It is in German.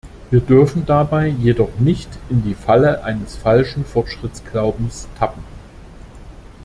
Wir dürfen dabei jedoch nicht in die Falle eines falschen Fortschrittsglaubens tappen.